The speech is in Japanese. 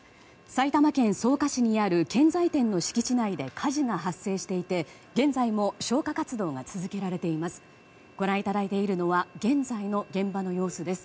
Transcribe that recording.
埼玉県草加市にある建材店の敷地内で火事が発生していて現在も消火活動が続けられています。